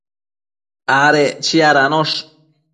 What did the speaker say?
adec chiadanosh